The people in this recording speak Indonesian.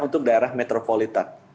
untuk daerah metropolitan